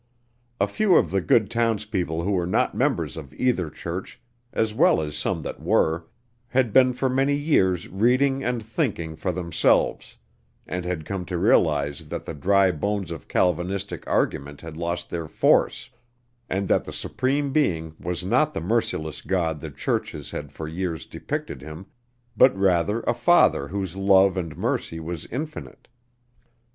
A few of the good townspeople who were not members of either church, as well as some that were, had been for many years reading and thinking for themselves, and had come to realize that the dry bones of Calvinistic argument had lost their force, and that the Supreme Being was not the merciless God the churches had for years depicted him, but rather a Father whose love and mercy was infinite.